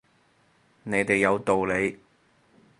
你哋有道理